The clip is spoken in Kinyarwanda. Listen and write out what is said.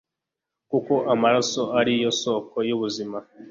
kuko amaraso ari yo soko y'ubuzima